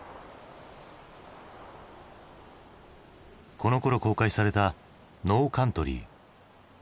このころ公開された「ノーカントリー」。